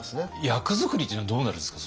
役作りというのはどうなるんですか？